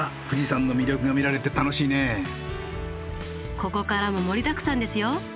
ここからも盛りだくさんですよ！